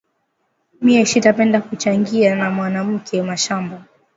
Miye shita penda kuchangiya na mwanamuke mashamba